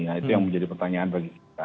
nah itu yang menjadi pertanyaan bagi kita